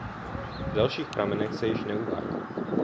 V dalších pramenech se již neuvádí.